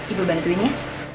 ibu bantuin ya